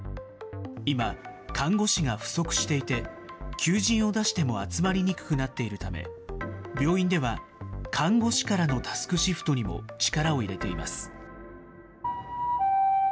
今、看護師が不足していて、求人を出しても集まりにくくなっているため、病院では看護師からのタスクシフトにも力を入れています。